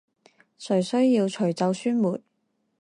誰需要除皺酸梅